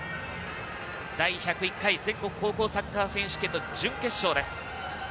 第１０１回全国高校サッカー選手権の準決勝です。